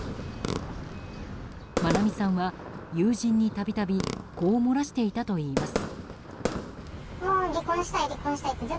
愛美さんは、友人に度々こう漏らしていたといいます。